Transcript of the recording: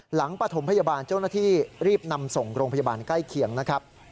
ปฐมพยาบาลเจ้าหน้าที่รีบนำส่งโรงพยาบาลใกล้เคียงนะครับ